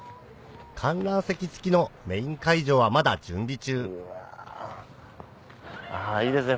観覧席付きのメイン会場はまだ準備中いいですね